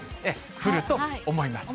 降ると思います。